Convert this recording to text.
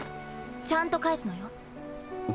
ちゃんと返すのよ。